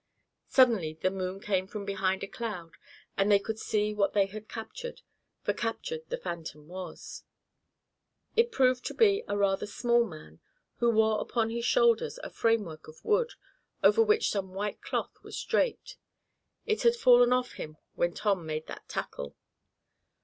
Suddenly the moon came from behind a cloud and they could see what they had captured for captured the phantom was. It proved to be a rather small man, who wore upon his shoulders a framework of wood, over which some white cloth was draped. It had fallen off him when Tom made that tackle.